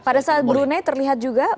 pada saat brunei terlihat juga